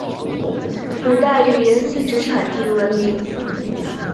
古代以连四纸产地闻名。